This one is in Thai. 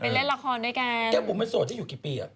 ไปเล่นละครด้วยกันแก้มผมมันสวดที่อยู่กี่ปีอ่ะ